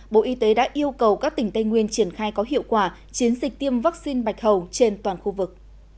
bộ y tế đã yêu cầu các tỉnh tây nguyên triển khai có hiệu quả chiến dịch tiêm vaccine bạch hầu trên toàn khu vực